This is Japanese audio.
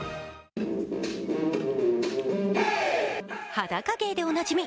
裸芸でおなじみ